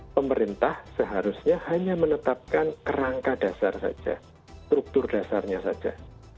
pemerintah seharusnya hanya menetapkan kerangka dasar saja struktur dasarnya saja